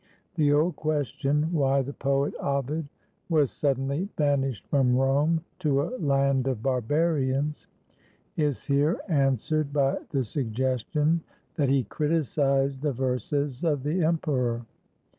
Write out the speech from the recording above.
The old question why the poet Ovid was suddenly banished from Rome to a land of barbarians is here answered by the suggestion that he criticized the verses of the emperor.